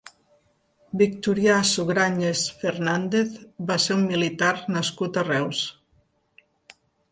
Victorià Sugranyes Fernández va ser un militar nascut a Reus.